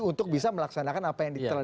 untuk bisa melaksanakan apa yang